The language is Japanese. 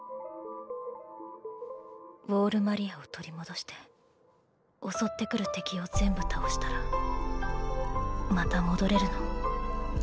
ウォール・マリアを取り戻して襲ってくる敵を全部倒したらまた戻れるの？